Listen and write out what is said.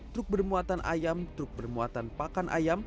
truk bermuatan ayam truk bermuatan perang